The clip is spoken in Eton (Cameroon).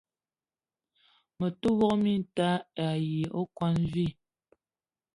Me te wok minta ayi okwuan vi.